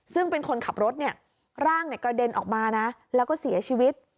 ซึ่งเป็นคนขับรถเนี่ยร่างกระเด็นออกมานะแล้วก็เสียชีวิต